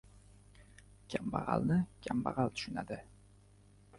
• Kambag‘alni kambag‘al tushunadi.